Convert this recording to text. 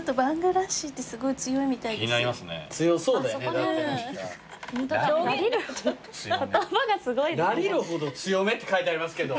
「ラリるほど強め」って書いてありますけど。